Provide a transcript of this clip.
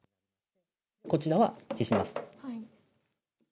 こちらは消します。